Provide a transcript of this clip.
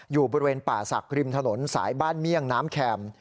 อยู่บริเวณป่าศักดิ์ริมถนนสายบ้านเมี่ยงน้ำแคม